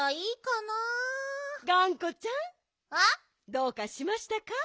どうかしましたか？